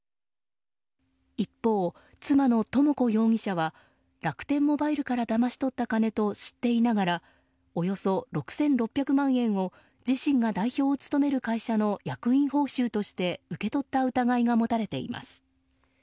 一方、妻の智子容疑者は楽天モバイルからだまし取った金を知っていながらおよそ６６００万円を自身が代表を務める会社の役員報酬として受け取った疑いが持たれています。